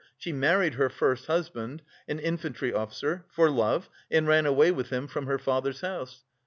She married her first husband, an infantry officer, for love, and ran away with him from her father's house.